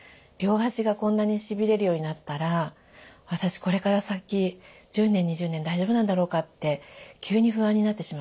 両足がこんなにしびれるようになったら私これから先１０年２０年大丈夫なんだろうかって